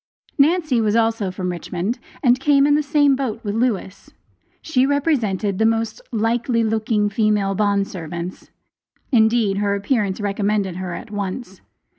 Nancy was also from Richmond, and came in the same boat with Lewis. She represented the most "likely looking female bond servants." Indeed her appearance recommended her at once.